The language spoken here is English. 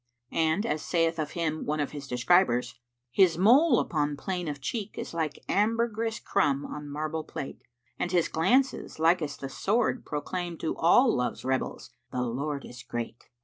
'" And as saith of him one of his describers, "His mole upon plain of cheek is like * Ambergrís crumb on marble plate, And his glances likest the sword proclaim * To all Love's rebels 'The Lord is Great!'"